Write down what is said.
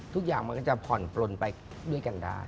ทุกอย่างมันก็จะผ่อนปลนไปด้วยกันได้